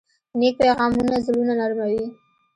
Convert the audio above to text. نیک پیغامونه زړونه نرموي.